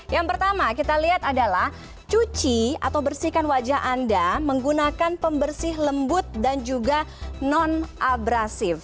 yang pertama kita lihat adalah cuci atau bersihkan wajah anda menggunakan pembersih lembut dan juga non abrasif